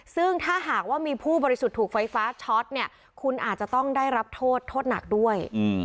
ซึ่งถ้าหากว่ามีผู้บริสุทธิ์ถูกไฟฟ้าช็อตเนี่ยคุณอาจจะต้องได้รับโทษโทษหนักด้วย